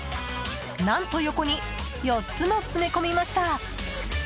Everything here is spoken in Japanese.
何と横に４つも詰め込めました。